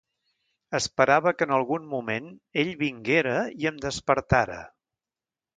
Esperava que en algun moment ell vinguera i em despertara.